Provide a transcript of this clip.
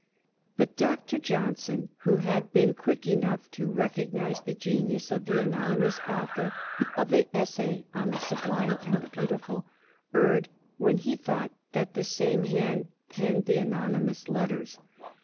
But Dr. Johnson, who had been quick enough to recognize the genius of the anonymous author of the essay on "The Sublime and the Beautiful," erred when he thought that the same hand penned the anonymous letters.